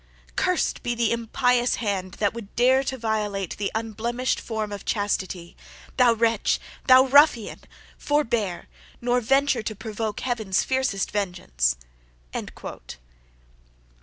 Curst be the impious hand that would dare to violate the unblemished form of Chastity! Thou wretch! thou ruffian! forbear; nor venture to provoke heaven's fiercest vengeance."